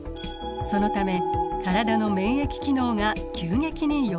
そのため体の免疫機能が急激に弱まります。